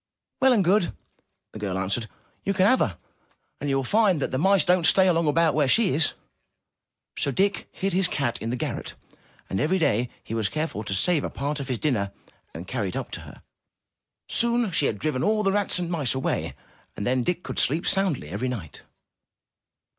'*Well and good!'* the girl answered. ''You may have her, and you will find that the mice don't stay long about where she is. So Dick hid his cat in the garret, and every day he was careful to save a part of his dinner and carry 333 MY BOOK HOUSE it Up to her. Soon she had driven all the rats and mice away; and then Dick could sleep soundly every night.